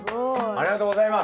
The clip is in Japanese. ありがとうございます。